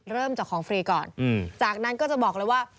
เริ่มจากของฟรีก่อนจากนั้นก็จะบอกเลยว่า